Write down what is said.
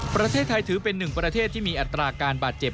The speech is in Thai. ประเทศไทยถือเป็นหนึ่งประเทศที่มีอัตราการบาดเจ็บ